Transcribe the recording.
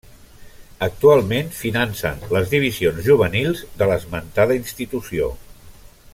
Actualment financen les divisions juvenils de l'esmentada institució.